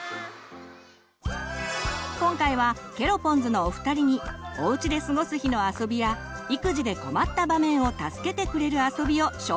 今回はケロポンズのお二人におうちで過ごす日のあそびや育児で困った場面を助けてくれるあそびを紹介してもらいます！